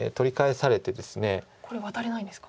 これワタれないんですか。